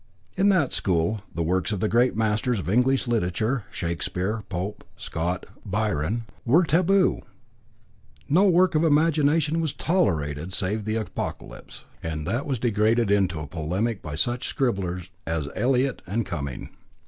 In that school the works of the great masters of English literature, Shakespeare, Pope, Scott, Byron, were taboo; no work of imagination was tolerated save the Apocalypse, and that was degraded into a polemic by such scribblers as Elliot and Cumming.